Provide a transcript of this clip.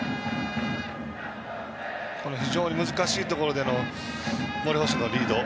非常に難しいところでの森捕手のリード。